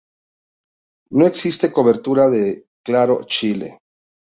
No existe cobertura de Claro Chile.